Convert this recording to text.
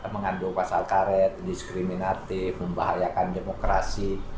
mengandung pasal karet diskriminatif membahayakan demokrasi